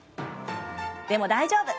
でも大丈夫！